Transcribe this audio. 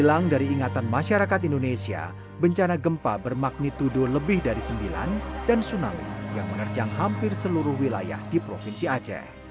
hilang dari ingatan masyarakat indonesia bencana gempa bermagnitudo lebih dari sembilan dan tsunami yang menerjang hampir seluruh wilayah di provinsi aceh